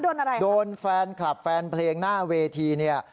โดนอะไรโดนแฟนคลับแฟนเพลงหน้าเวทีเนี่ย